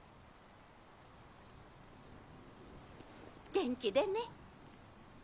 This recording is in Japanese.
元気でね。